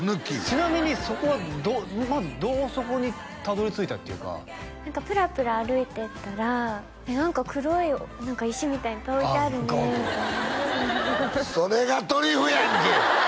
ちなみにそこはまずどうそこにたどり着いたっていうかプラプラ歩いてたら「何か黒い石みたいなのいっぱい置いてあるね」みたいなそれがトリュフやんけ！